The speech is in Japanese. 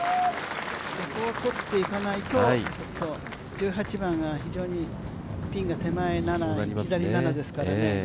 ここをとっていかないと、１８番が非常にピンが手前７左７ですからね。